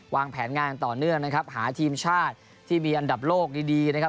วางแผนงานต่อเนื่องนะครับหาทีมชาติที่มีอันดับโลกดีนะครับ